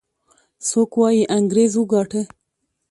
څوک وايي انګريز وګاټه.